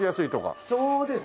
そうですね。